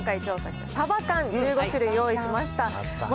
こちらに今回調査したサバ缶、１５種類用意しました。